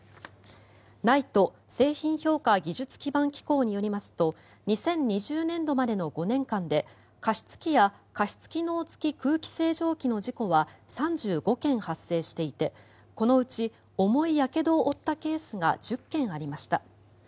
ＮＩＴＥ・製品評価技術基盤機構によりますと２０２０年度までの５年間で加湿器や加湿機能付き空気清浄機の事故は３５件発生していてこのうち重いやけどを負ったケースが１０件ありました。